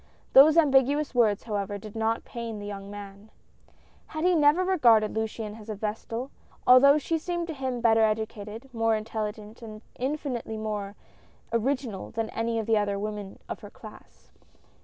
These ambiguous words, however, did not pain the young man. He had never regarded Luciane as a vestal ; although she seemed to him better educated, more intelligent and infinitely more original than any of the other women of her class.